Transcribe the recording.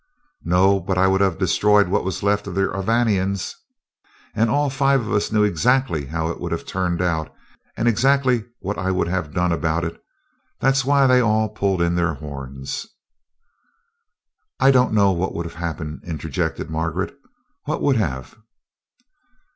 "No, but I would have destroyed what was left of the Urvanians, and all five of us knew exactly how it would have turned out and exactly what I would have done about it that's why they all pulled in their horns." "I don't know what would have happened," interjected Margaret. "What would have?"